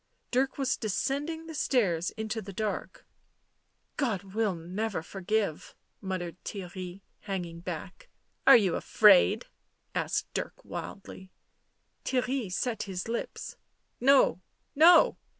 Dirk was descending the sfhirs into the dark. " God will never forgive," muttered Theirry, hang ing back. " Are you afraid?" asked Dirk wildly. Theirry set his lips. " No. No."